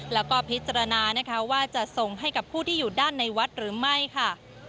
แล้วก็พิจารณานะคะว่าจะส่งให้กับผู้ที่อยู่ด้านในวัดหรือไม่ค่ะ